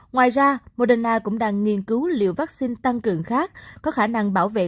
ngoài ra moderna cũng đang nghiên cứu liều vaccine tăng cường khác có khả năng bảo vệ